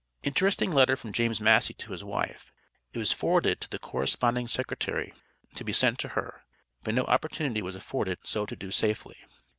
Interesting letter from James Massey to his wife. It was forwarded to the corresponding secretary, to be sent to her, but no opportunity was afforded so to do, safely.